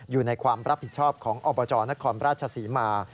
อยู่ในความรับผิดชอบของอบจนครราชศรีมา